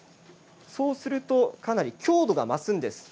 そうするとかなり強度が増すんです。